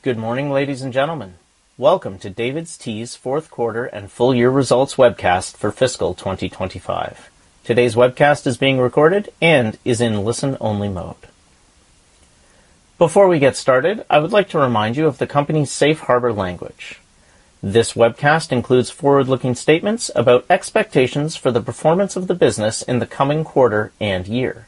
Good morning, ladies and gentlemen. Welcome to DAVIDsTEA's fourth quarter and full year results webcast for fiscal 2025. Today's webcast is being recorded and is in listen only mode. Before we get started, I would like to remind you of the company's safe harbor language. This webcast includes forward-looking statements about expectations for the performance of the business in the coming quarter and year.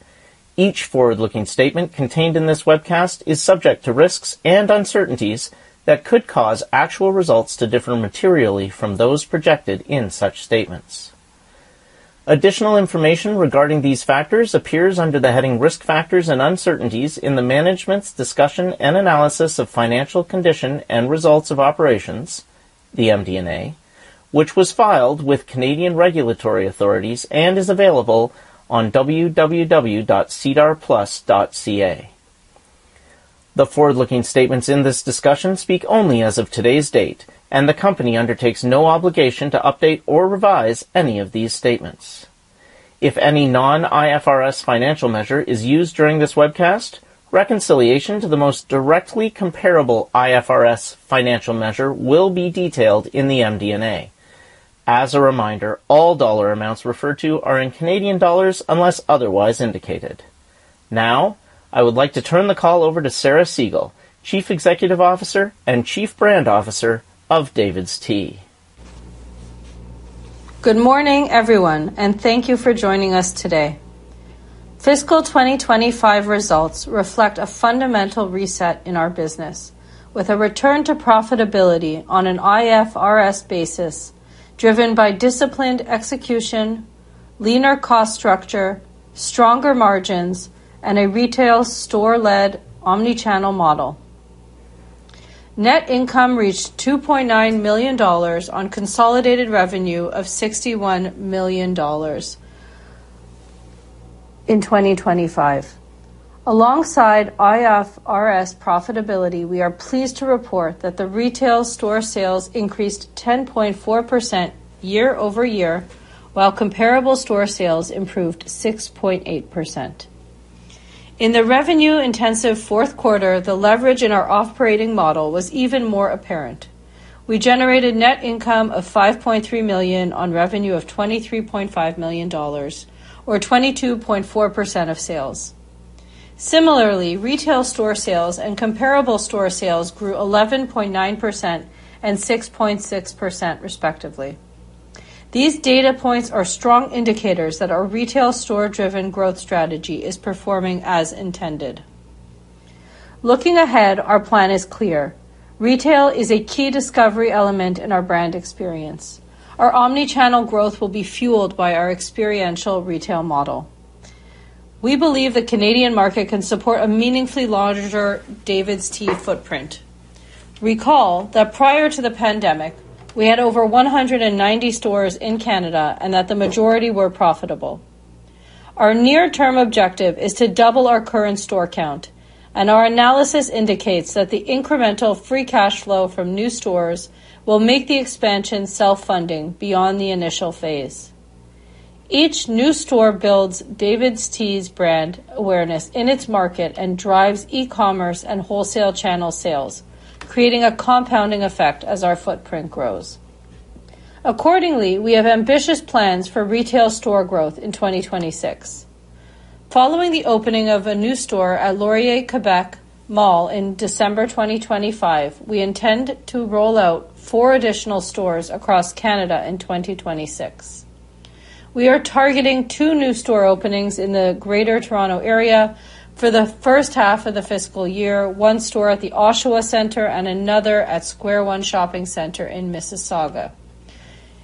Each forward-looking statement contained in this webcast is subject to risks and uncertainties that could cause actual results to differ materially from those projected in such statements. Additional information regarding these factors appears under the heading Risk Factors and Uncertainties in the Management's Discussion and Analysis of Financial Condition and Results of Operations, the MD&A, which was filed with Canadian regulatory authorities and is available on www.sedarplus.ca. The forward-looking statements in this discussion speak only as of today's date, and the company undertakes no obligation to update or revise any of these statements. If any non-IFRS financial measure is used during this webcast, reconciliation to the most directly comparable IFRS financial measure will be detailed in the MD&A. As a reminder, all dollar amounts referred to are in Canadian dollars unless otherwise indicated. I would like to turn the call over to Sarah Segal, Chief Executive Officer and Chief Brand Officer of DAVIDsTEA. Good morning, everyone, and thank you for joining us today. Fiscal 2025 results reflect a fundamental reset in our business, with a return to profitability on an IFRS basis, driven by disciplined execution, leaner cost structure, stronger margins, and a retail store-led omni-channel model. Net income reached 2.9 million dollars on consolidated revenue of 61 million dollars in 2025. Alongside IFRS profitability, we are pleased to report that the retail store sales increased 10.4% year-over-year, while comparable store sales improved 6.8%. In the revenue-intensive fourth quarter, the leverage in our operating model was even more apparent. We generated net income of 5.3 million on revenue of 23.5 million dollars or 22.4% of sales. Similarly, retail store sales and comparable store sales grew 11.9% and 6.6% respectively. These data points are strong indicators that our retail store-driven growth strategy is performing as intended. Looking ahead, our plan is clear. Retail is a key discovery element in our brand experience. Our omni-channel growth will be fueled by our experiential retail model. We believe the Canadian market can support a meaningfully larger DAVIDsTEA footprint. Recall that prior to the pandemic, we had over 190 stores in Canada and that the majority were profitable. Our near-term objective is to double our current store count, and our analysis indicates that the incremental free cash flow from new stores will make the expansion self-funding beyond the initial phase. Each new store builds DAVIDsTEA's brand awareness in its market and drives e-commerce and wholesale channel sales, creating a compounding effect as our footprint grows. We have ambitious plans for retail store growth in 2026. Following the opening of a new store at Laurier Québec Mall in December 2025, we intend to roll out four additional stores across Canada in 2026. We are targeting two new store openings in the Greater Toronto area for the first half of the fiscal year, one store at the Oshawa Centre and another at Square One Shopping Centre in Mississauga.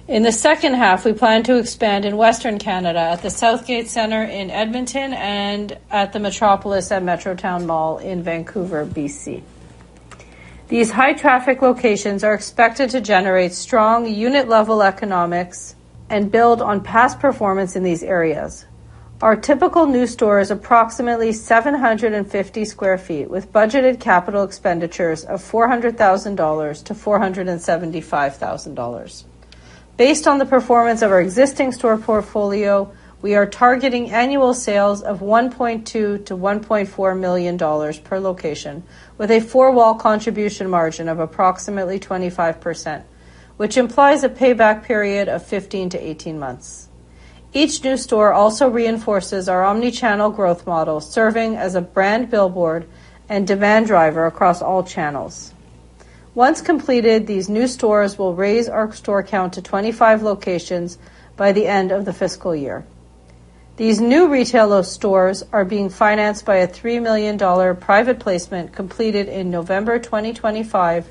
In the second half, we plan to expand in Western Canada at the Southgate Centre in Edmonton and at the Metropolis at Metrotown Mall in Vancouver, B.C. These high traffic locations are expected to generate strong unit level economics and build on past performance in these areas. Our typical new store is approximately 750 sq ft with budgeted capital expenditures of 400,000-475,000 dollars. Based on the performance of our existing store portfolio, we are targeting annual sales of 1.2 million-1.4 million dollars per location with a four-wall contribution margin of approximately 25%, which implies a payback period of 15-18 months. Each new store also reinforces our omni-channel growth model, serving as a brand billboard and demand driver across all channels. Once completed, these new stores will raise our store count to 25 locations by the end of the fiscal year. These new retail stores are being financed by a 3 million dollar private placement completed in November 2025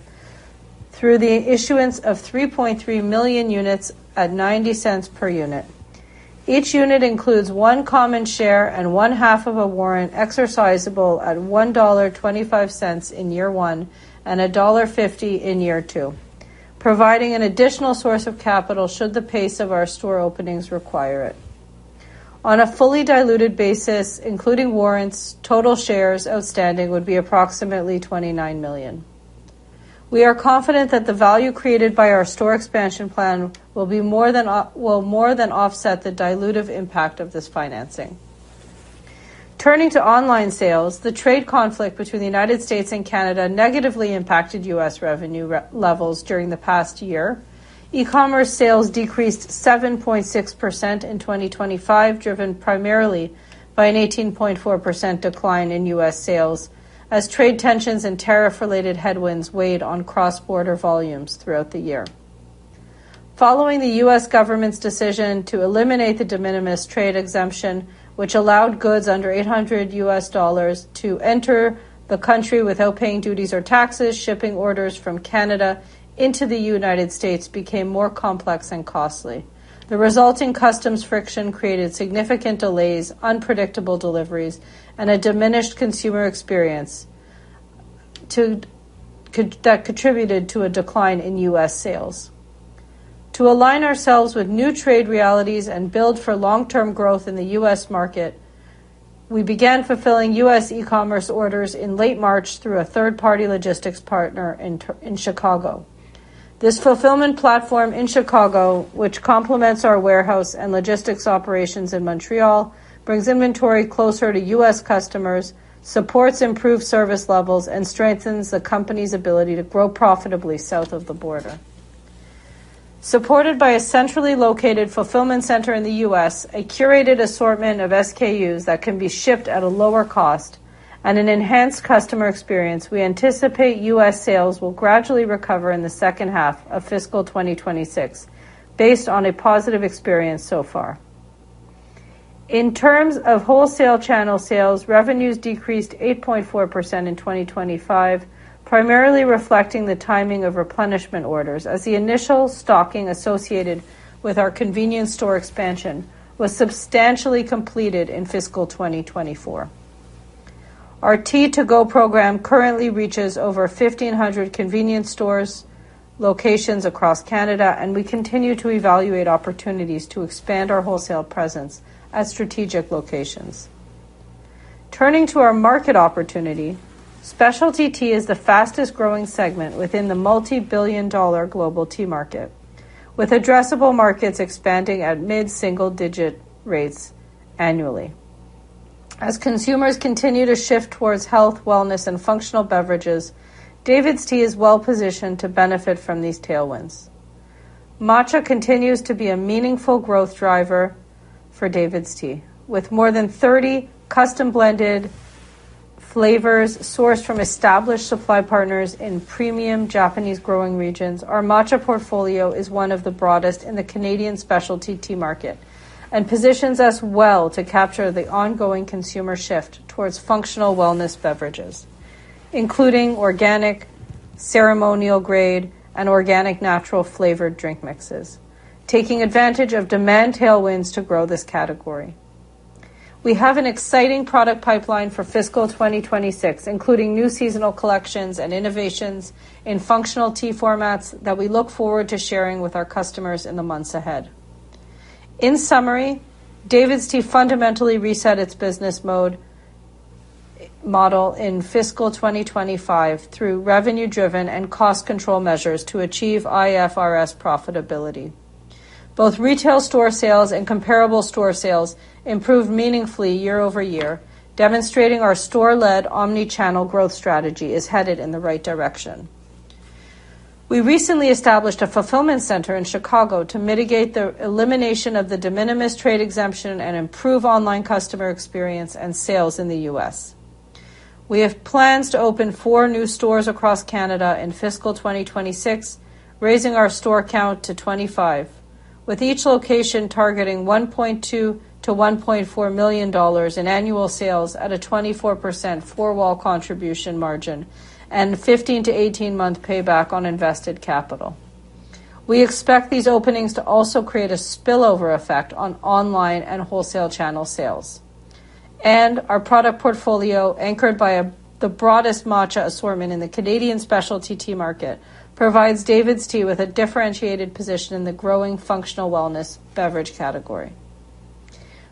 through the issuance of 3.3 million units at 0.90 per unit. Each unit includes one common share and one half of a warrant exercisable at 1.25 dollar in year one and dollar 1.50 in year two, providing an additional source of capital should the pace of our store openings require it. On a fully diluted basis, including warrants, total shares outstanding would be approximately 29 million. We are confident that the value created by our store expansion plan will more than offset the dilutive impact of this financing. Turning to online sales, the trade conflict between the U.S. and Canada negatively impacted U.S. revenue levels during the past year. E-commerce sales decreased 7.6% in 2025, driven primarily by an 18.4% decline in U.S. sales as trade tensions and tariff-related headwinds weighed on cross-border volumes throughout the year. Following the U.S. government's decision to eliminate the de minimis trade exemption, which allowed goods under $800 to enter the country without paying duties or taxes, shipping orders from Canada into the United States became more complex and costly. The resulting customs friction created significant delays, unpredictable deliveries, and a diminished consumer experience that contributed to a decline in U.S. sales. To align ourselves with new trade realities and build for long-term growth in the U.S. market, we began fulfilling U.S. e-commerce orders in late March through a third-party logistics partner in Chicago. This fulfillment platform in Chicago, which complements our warehouse and logistics operations in Montreal, brings inventory closer to U.S. customers, supports improved service levels, and strengthens the company's ability to grow profitably south of the border. Supported by a centrally located fulfillment center in the U.S., a curated assortment of SKUs that can be shipped at a lower cost and an enhanced customer experience, we anticipate U.S. sales will gradually recover in the second half of fiscal 2026, based on a positive experience so far. In terms of wholesale channel sales, revenues decreased 8.4% in 2025, primarily reflecting the timing of replenishment orders as the initial stocking associated with our convenience store expansion was substantially completed in fiscal 2024. Our Tea-2-Go program currently reaches over 1,500 convenience stores, locations across Canada, and we continue to evaluate opportunities to expand our wholesale presence at strategic locations. Turning to our market opportunity, specialty tea is the fastest-growing segment within the multi-billion-dollar global tea market, with addressable markets expanding at mid-single-digit rates annually. As consumers continue to shift towards health, wellness, and functional beverages, DAVIDsTEA is well-positioned to benefit from these tailwinds. Matcha continues to be a meaningful growth driver for DAVIDsTEA. With more than 30 custom-blended flavors sourced from established supply partners in premium Japanese growing regions, our matcha portfolio is one of the broadest in the Canadian specialty tea market and positions us well to capture the ongoing consumer shift towards functional wellness beverages, including organic, ceremonial grade, and organic natural flavored drink mixes, taking advantage of demand tailwinds to grow this category. We have an exciting product pipeline for fiscal 2026, including new seasonal collections and innovations in functional tea formats that we look forward to sharing with our customers in the months ahead. In summary, DAVIDsTEA fundamentally reset its business model in fiscal 2025 through revenue-driven and cost control measures to achieve IFRS profitability. Both retail store sales and comparable store sales improved meaningfully year-over-year, demonstrating our store-led omni-channel growth strategy is headed in the right direction. We recently established a fulfillment center in Chicago to mitigate the elimination of the de minimis trade exemption and improve online customer experience and sales in the U.S. We have plans to open four new stores across Canada in fiscal 2026, raising our store count to 25, with each location targeting 1.2 million-1.4 million dollars in annual sales at a 24% four-wall contribution margin and 15-18-month payback on invested capital. We expect these openings to also create a spillover effect on online and wholesale channel sales. Our product portfolio, anchored by the broadest matcha assortment in the Canadian specialty tea market, provides DAVIDsTEA with a differentiated position in the growing functional wellness beverage category.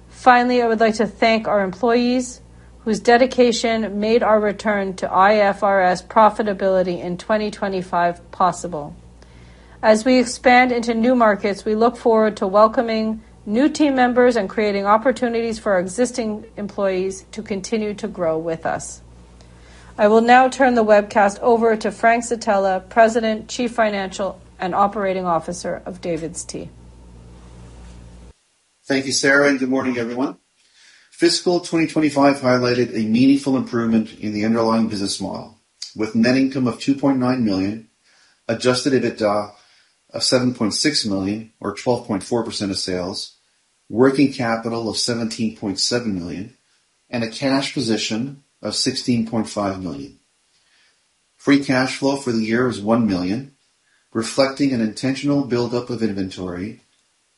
Finally, I would like to thank our employees whose dedication made our return to IFRS profitability in 2025 possible. As we expand into new markets, we look forward to welcoming new team members and creating opportunities for our existing employees to continue to grow with us. I will now turn the webcast over to Frank Zitella, President, Chief Financial and Operating Officer of DAVIDsTEA. Thank you, Sarah. Good morning, everyone. Fiscal 2025 highlighted a meaningful improvement in the underlying business model with net income of 2.9 million, Adjusted EBITDA of 7.6 million or 12.4% of sales, working capital of 17.7 million, and a cash position of 16.5 million. Free cash flow for the year was 1 million, reflecting an intentional buildup of inventory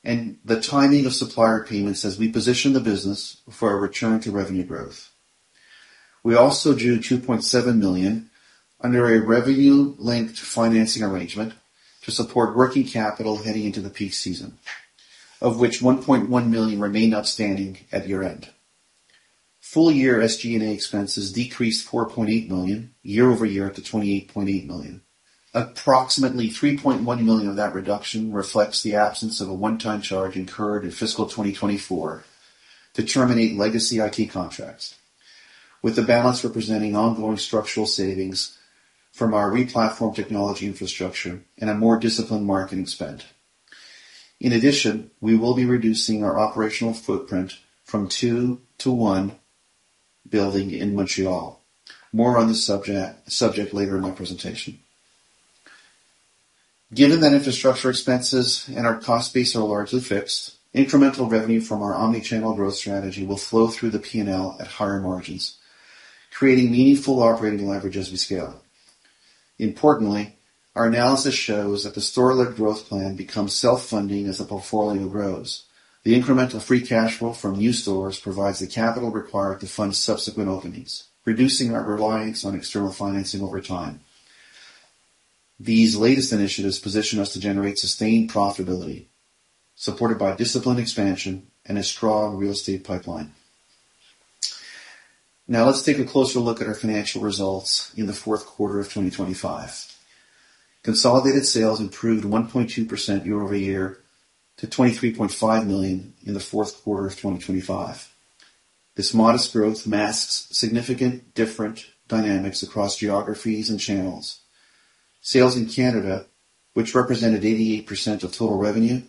and the timing of supplier payments as we position the business for a return to revenue growth. We also drew 2.7 million under a revenue-linked financing arrangement to support working capital heading into the peak season, of which 1.1 million remained outstanding at year-end. Full-year SG&A expenses decreased 4.8 million, year-over-year to 28.8 million. Approximately 3.1 million of that reduction reflects the absence of a one-time charge incurred in fiscal 2024 to terminate legacy IT contracts, with the balance representing ongoing structural savings from our replatformed technology infrastructure and a more disciplined marketing spend. In addition, we will be reducing our operational footprint from two to one building in Montreal. More on this subject later in my presentation. Given that infrastructure expenses and our cost base are largely fixed, incremental revenue from our omni-channel growth strategy will flow through the P&L at higher margins, creating meaningful operating leverage as we scale. Importantly, our analysis shows that the store-led growth plan becomes self-funding as the portfolio grows. The incremental free cash flow from new stores provides the capital required to fund subsequent openings, reducing our reliance on external financing over time. These latest initiatives position us to generate sustained profitability, supported by disciplined expansion and a strong real estate pipeline. Now, let's take a closer look at our financial results in the fourth quarter of 2025. Consolidated sales improved 1.2% year-over-year to 23.5 million in the fourth quarter of 2025. This modest growth masks significant different dynamics across geographies and channels. Sales in Canada, which represented 88% of total revenue,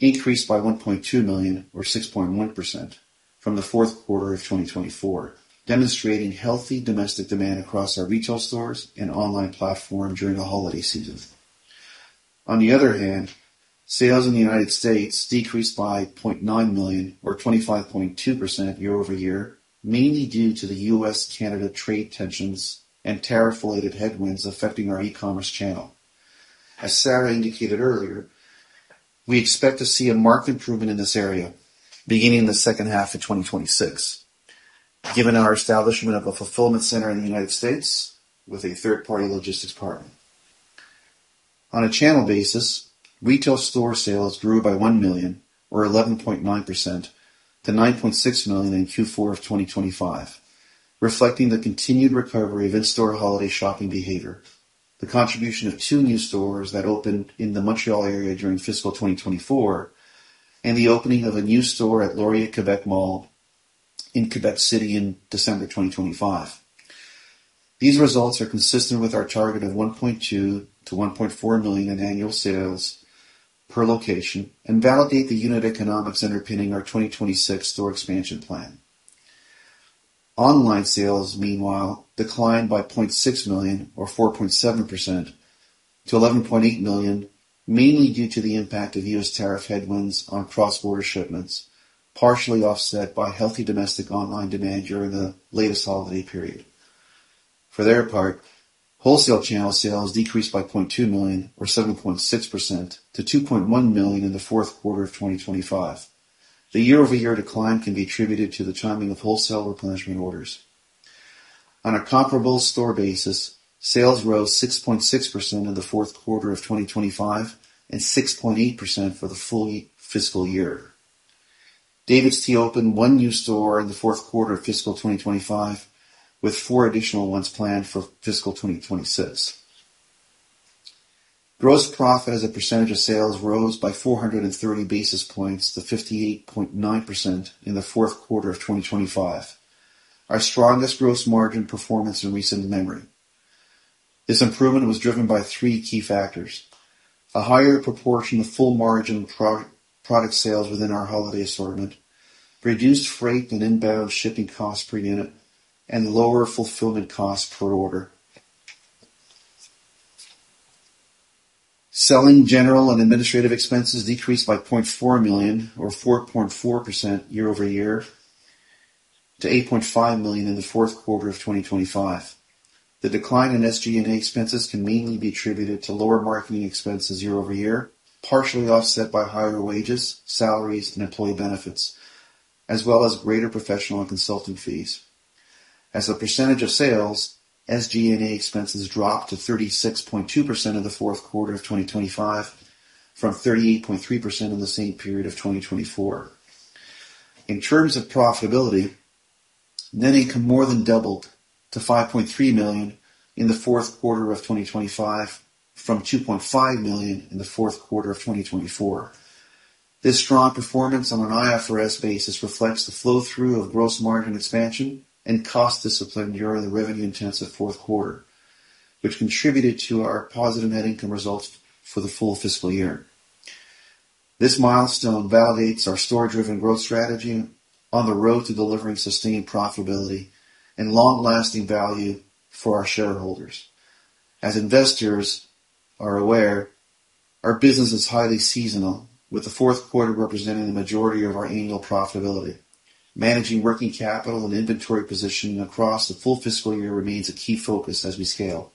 increased by 1.2 million or 6.1% from the fourth quarter of 2024, demonstrating healthy domestic demand across our retail stores and online platform during the holiday season. On the other hand, sales in the United States decreased by 0.9 million or 25.2% year-over-year, mainly due to the U.S.-Canada trade tensions and tariff-related headwinds affecting our e-commerce channel. As Sarah indicated earlier, we expect to see a marked improvement in this area beginning in the second half of 2026, given our establishment of a fulfillment center in the United States with a third-party logistics partner. On a channel basis, retail store sales grew by 1 million, or 11.9% to 9.6 million in Q4 of 2025, reflecting the continued recovery of in-store holiday shopping behavior, the contribution of two new stores that opened in the Montréal area during fiscal 2024, and the opening of a new store at Laurier Québec Mall in Québec City in December 2025. These results are consistent with our target of 1.2 million-1.4 million in annual sales per location and validate the unit economics underpinning our 2026 store expansion plan. Online sales, meanwhile, declined by 0.6 million or 4.7% to 11.8 million, mainly due to the impact of U.S. tariff headwinds on cross-border shipments, partially offset by healthy domestic online demand during the latest holiday period. For their part, wholesale channel sales decreased by 0.2 million or 7.6% to 2.1 million in the fourth quarter of 2025. The year-over-year decline can be attributed to the timing of wholesale replenishment orders. On a comparable store basis, sales rose 6.6% in the fourth quarter of 2025 and 6.8% for the full fiscal year. DAVIDsTEA opened one new store in the fourth quarter of fiscal 2025, with four additional ones planned for fiscal 2026. Gross profit as a percentage of sales rose by 430 basis points to 58.9% in the fourth quarter of 2025, our strongest gross margin performance in recent memory. This improvement was driven by three key factors: a higher proportion of full-margin product sales within our holiday assortment, reduced freight and inbound shipping cost per unit, and lower fulfillment cost per order. Selling, General and Administrative expenses decreased by 0.4 million or 4.4% year-over-year to 8.5 million in the fourth quarter of 2025. The decline in SG&A expenses can mainly be attributed to lower marketing expenses year-over-year, partially offset by higher wages, salaries, and employee benefits, as well as greater professional and consulting fees. As a percentage of sales, SG&A expenses dropped to 36.2% in the fourth quarter of 2025 from 38.3% in the same period of 2024. In terms of profitability, net income more than doubled to 5.3 million in the fourth quarter of 2025 from 2.5 million in the fourth quarter of 2024. This strong performance on an IFRS basis reflects the flow-through of gross margin expansion and cost discipline during the revenue-intensive fourth quarter, which contributed to our positive net income results for the full fiscal year. This milestone validates our store-driven growth strategy on the road to delivering sustained profitability and long-lasting value for our shareholders. As investors are aware, our business is highly seasonal, with the fourth quarter representing the majority of our annual profitability. Managing working capital and inventory positioning across the full fiscal year remains a key focus as we scale.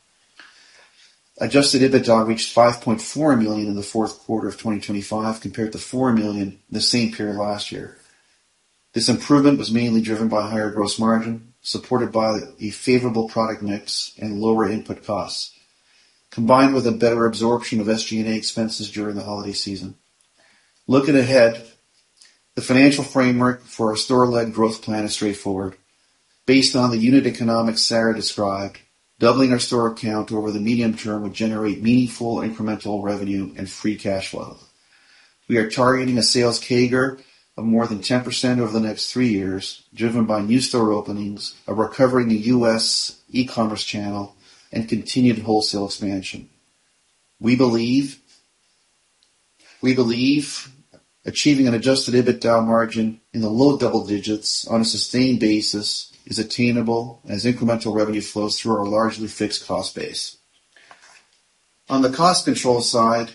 Adjusted EBITDA reached 5.4 million in the fourth quarter of 2025 compared to 4 million in the same period last year. This improvement was mainly driven by higher gross margin, supported by a favorable product mix and lower input costs, combined with a better absorption of SG&A expenses during the holiday season. Looking ahead, the financial framework for our store-led growth plan is straightforward. Based on the unit economics Sarah described, doubling our store count over the medium term would generate meaningful incremental revenue and free cash flow. We are targeting a sales CAGR of more than 10% over the next three years, driven by new store openings, a recovery in the U.S. e-commerce channel, and continued wholesale expansion. We believe achieving an Adjusted EBITDA margin in the low double digits on a sustained basis is attainable as incremental revenue flows through our largely fixed cost base. On the cost control side,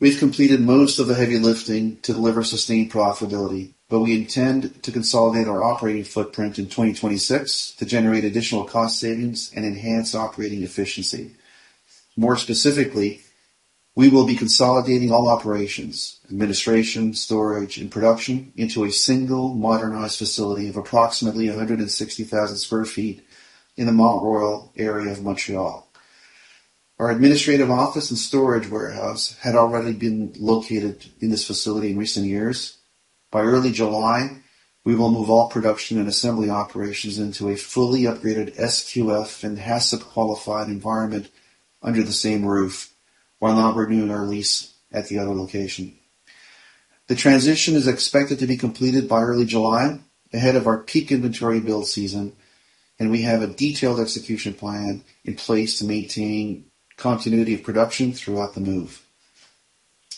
we've completed most of the heavy lifting to deliver sustained profitability, but we intend to consolidate our operating footprint in 2026 to generate additional cost savings and enhance operating efficiency. More specifically, we will be consolidating all operations, administration, storage, and production, into a single modernized facility of approximately 160,000 sq ft in the Mont-Royal area of Montreal. Our administrative office and storage warehouse had already been located in this facility in recent years. By early July, we will move all production and assembly operations into a fully upgraded SQF and HACCP qualified environment under the same roof, while not renewing our lease at the other location. The transition is expected to be completed by early July, ahead of our peak inventory build season, and we have a detailed execution plan in place to maintain continuity of production throughout the move.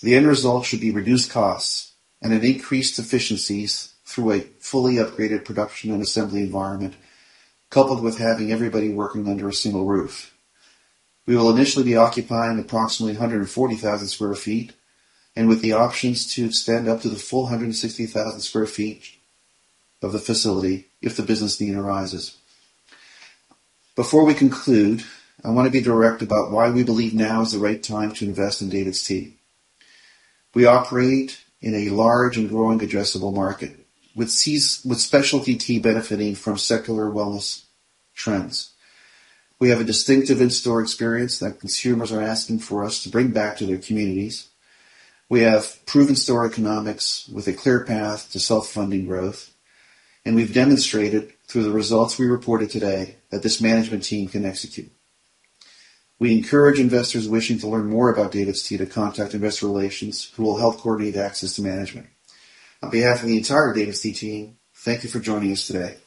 The end result should be reduced costs and an increased efficiencies through a fully upgraded production and assembly environment, coupled with having everybody working under a single roof. We will initially be occupying approximately 140,000 sq ft, and with the options to extend up to the full 160,000 sq ft of the facility if the business need arises. Before we conclude, I want to be direct about why we believe now is the right time to invest in DAVIDsTEA. We operate in a large and growing addressable market, with specialty tea benefiting from secular wellness trends. We have a distinctive in-store experience that consumers are asking for us to bring back to their communities. We have proven store economics with a clear path to self-funding growth, and we've demonstrated through the results we reported today that this management team can execute. We encourage investors wishing to learn more about DAVIDsTEA to contact investor relations, who will help coordinate access to management. On behalf of the entire DAVIDsTEA team, thank you for joining us today.